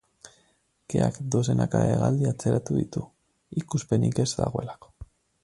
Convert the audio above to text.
Keak dozenaka hegaldi atzeratu ditu, ikuspenik ez dagoelako.